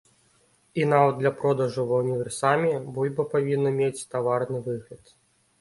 І нават для продажу ва ўніверсаме бульба павінна мець таварны выгляд.